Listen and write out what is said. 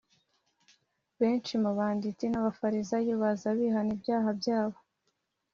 Benshi mu banditsi n’Abafarisayo baza bihana ibyaha byabo,